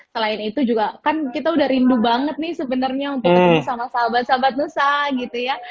selain itu juga kan kita udah rindu banget nih sebenernya untuk ketemu sama sahabat sahabat nusa gitu ya